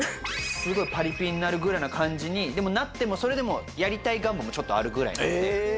すごいパリピになるぐらいの感じに、でもなっても、それでもやりたい願望もちょっとあるぐらいなんで。